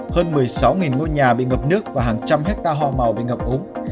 hơn một mươi sáu ngôi nhà bị ngập nước và hàng trăm hecta hò màu bị ngập úng